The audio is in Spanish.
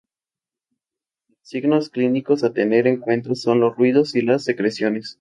Los signos clínicos a tener en cuenta son los ruidos y las secreciones.